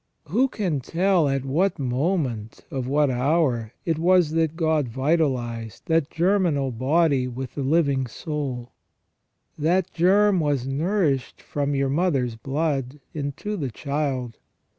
Who can tell at what moment of what hour it was that God vitalized that germinal body with a living soul ? That germ was nourished from your mother's blood into the child.